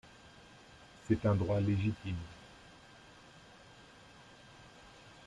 C’est un droit légitime.